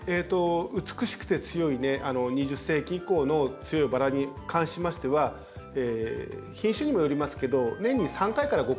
美しくて強い２０世紀以降の強いバラに関しましては品種にもよりますけど年に３回から５回ぐらいで。